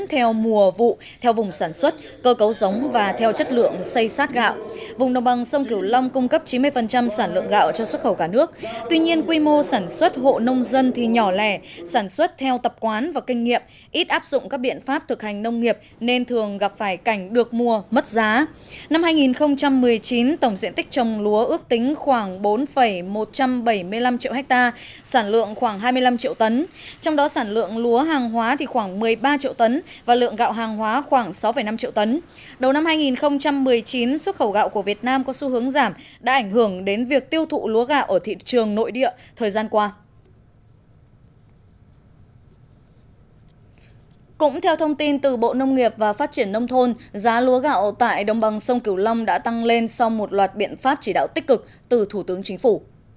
theo thông tin từ bộ nông nghiệp và phát triển nông thôn giá lúa gạo tại đồng bằng sông cửu long đã tăng lên sau một loạt biện pháp chỉ đạo tích cực từ thủ tướng chính phủ